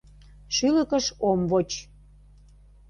Шӱлыкыш ом воч.